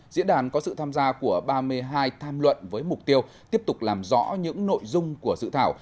diễn đàn có sự tham gia của ba mươi hai tham luận với mục tiêu tiếp tục làm rõ những nội dung của dự thảo